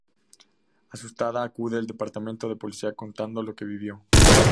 Asustada, acude al Departamento de Policía contando lo que vio.